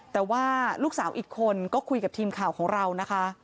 แต่ว่าลูกสาวอีกคนก็คุยกับทีมข่าวของเรานะคะ